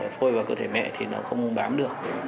phôi vào cơ thể mẹ thì nó không bám được